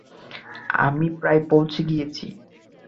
আমরা প্রায় পৌঁছে গিয়েছি।